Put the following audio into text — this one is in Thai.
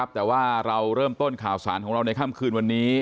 แต่ว่าเราเริ่มต้นข่าวสารของเราในค่ำคืนวันนี้